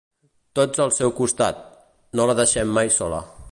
Tots al seu costat, no la deixem mai sola.